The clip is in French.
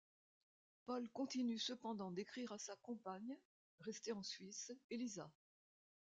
Paul continue cependant d'écrire à sa compagne restée en Suisse, Élisa.